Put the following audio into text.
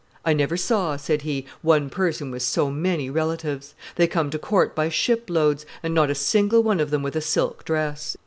"I never saw," said he, "one person with so many relatives; they come to court by ship loads, and not a single one of them with a silk dress."